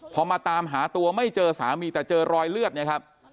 พอมาตามหาตัวไม่เจอสามีแต่เจอรอยเลือดเนี่ยครับ